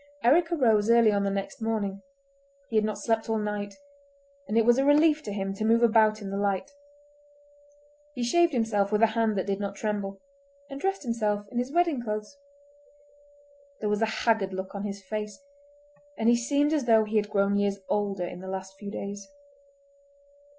Eric arose early on the next morning—he had not slept all night, and it was a relief to him to move about in the light. He shaved himself with a hand that did not tremble, and dressed himself in his wedding clothes. There was a haggard look on his face, and he seemed as though he had grown years older in the last few days.